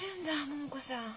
桃子さん。